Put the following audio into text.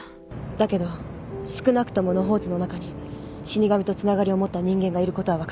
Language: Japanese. だけど少なくとも野放図の中に死神とつながりを持った人間がいることは分かった。